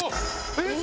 えっ！